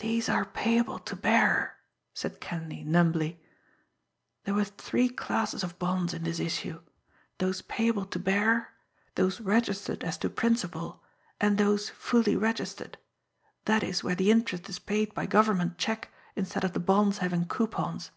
"These are payable to bearer," said Kenleigh numbly. "There were three classes of bonds in this issue those payable to bearer; those registered as to principal; and those fully registered, that is where the interest is paid by government check instead of the bonds having coupons.